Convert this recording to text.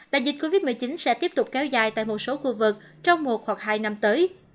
đại dịch covid một mươi chín sẽ tiếp tục kéo dài tại một số khu vực trong một hoặc hai năm tới